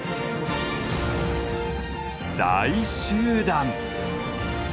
大集団。